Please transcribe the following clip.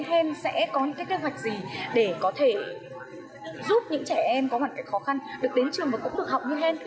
hèn sẽ có cái kế hoạch gì để có thể giúp những trẻ em có hoàn cảnh khó khăn được đến trường và cũng được học như hèn